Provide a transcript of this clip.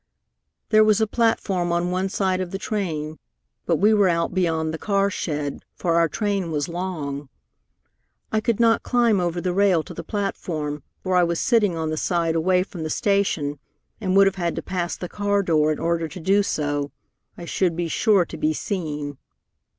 "There was a platform on one side of the train, but we were out beyond the car shed, for our train was long. I could not climb over the rail to the platform, for I was sitting on the side away from the station, and would have had to pass the car door in order to do so. I should be sure to be seen.